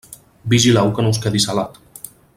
Vigileu que no us quedi salat.